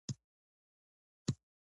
کرنه تل د چین د اقتصاد بنسټ ګڼل کیږي.